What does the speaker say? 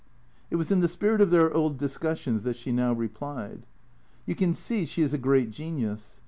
It was in the spirit of their old discussions that she now replied. " You can see she is a great genius.